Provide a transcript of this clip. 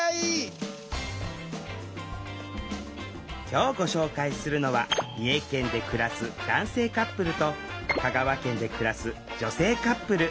今日ご紹介するのは三重県で暮らす男性カップルと香川県で暮らす女性カップル。